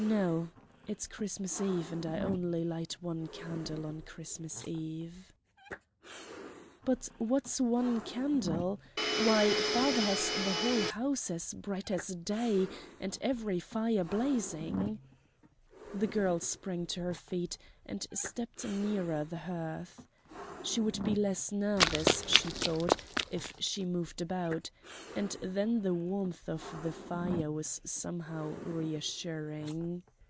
"No, it's Christmas Eve, and I only light one candle on Christmas Eve." "But what's one candle! Why, father has the whole house as bright as day and every fire blazing." The girl sprang to her feet and stepped nearer the hearth. She would be less nervous, she thought, if she moved about, and then the warmth of the fire was somehow reassuring.